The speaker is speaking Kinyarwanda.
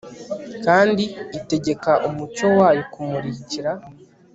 kandi itegeka umucyo wayo kumumurikira